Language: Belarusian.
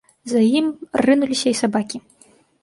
За ім рынуліся і сабакі.